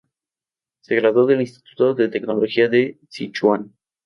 Se graduó en el Instituto de Tecnología de Sichuan.